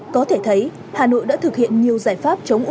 có thể thấy hà nội đã thực hiện nhiều giải pháp chống ổn tắc